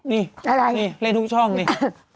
นี่เล่นทุกช่องนี่